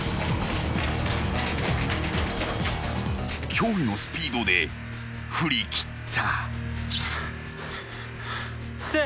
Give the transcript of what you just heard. ［驚異のスピードで振り切った］